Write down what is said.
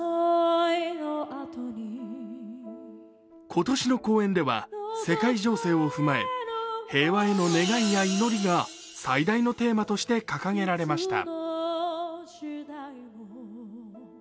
今年の公演では世界情勢を踏まえ、平和への願いや祈りが最大のテーマとして掲げられました。